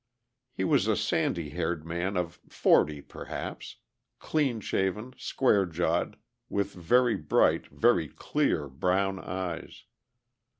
He was a sandy haired man of forty, perhaps, clean shaven, square jawed, with very bright, very clear brown eyes.